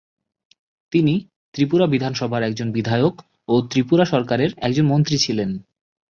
তিনি ত্রিপুরা বিধানসভার একজন বিধায়ক ও ত্রিপুরা সরকারের একজন মন্ত্রী ছিলেন।